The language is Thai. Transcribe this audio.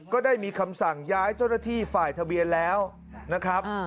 ก็ได้มีคำสั่งย้ายเจ้าหน้าที่ฝ่ายทะเบียนแล้วนะครับ